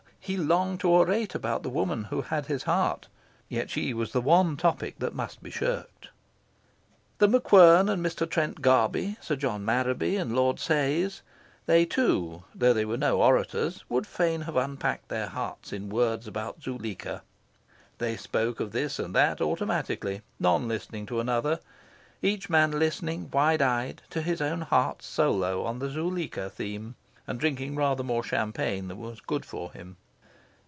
He longed to orate about the woman who had his heart; yet she was the one topic that must be shirked. The MacQuern and Mr. Trent Garby, Sir John Marraby and Lord Sayes, they too though they were no orators would fain have unpacked their hearts in words about Zuleika. They spoke of this and that, automatically, none listening to another each man listening, wide eyed, to his own heart's solo on the Zuleika theme, and drinking rather more champagne than was good for him.